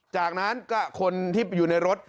จากนั้นก็คนที่อยู่ในรถ